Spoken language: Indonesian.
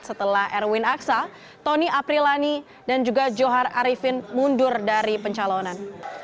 setelah erwin aksa tony aprilani dan juga johar arifin mundur dari pencalonan